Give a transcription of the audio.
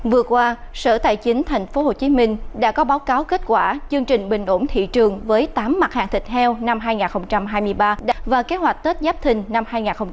vừa qua sở tài chính tp hcm đã có báo cáo kết quả chương trình bình ổn thị trường với tám mặt hàng thịt heo năm hai nghìn hai mươi ba và kế hoạch tết giáp thình năm hai nghìn hai mươi bốn